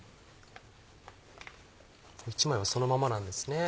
１枚はそのままなんですね。